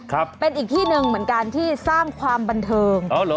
ครับเป็นอีกที่หนึ่งเหมือนกันที่สร้างความบันเทิงอ๋อเหรอ